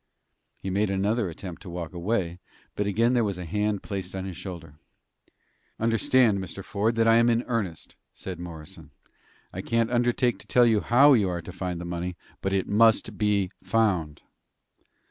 He made another attempt to walk away, but again there was a hand placed upon his shoulder. "Understand, Mr. Ford, that I am in earnest," said Morrison. "I can't undertake to tell you how you are to find the money, but it must be found."